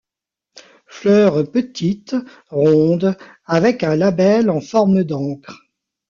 Fleurs petites, rondes, avec un labelle en forme d'ancre.